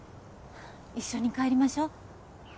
一緒に帰りましょう。